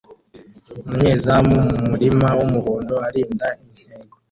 Umunyezamu mumurima wumuhondo arinda intego